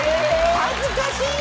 恥ずかしい！